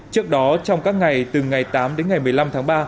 trước đó trong các ngày từ ngày tám đến ngày một mươi năm tháng ba